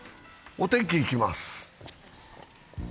お天気いきます。